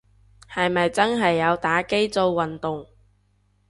係咪真係有打機做運動